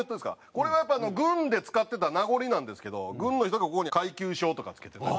これはやっぱ軍で使ってた名残なんですけど軍の人がここに階級章とかつけてた。